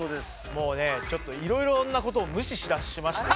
もうねちょっといろいろなことを無視しだしまして。